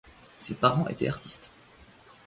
Ses parents étaient artistes.